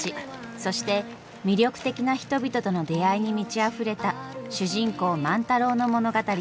そして魅力的な人々との出会いに満ちあふれた主人公万太郎の物語。